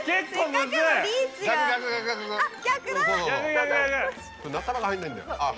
なかなか入んないんだよあっ